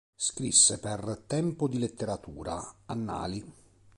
Scrisse per "Tempo di Letteratura", "Annali.